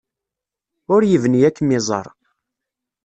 Ur yebni ad kem-iẓer.